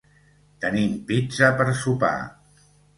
Tenim pizza per sopar.